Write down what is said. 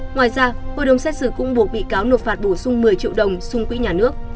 ngoài ra hội đồng xét xử cũng buộc bị cáo nộp phạt bổ sung một mươi triệu đồng xung quỹ nhà nước